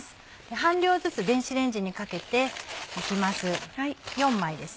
半量ずつ電子レンジにかけて行きます。